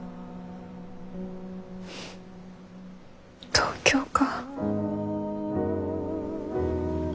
東京か。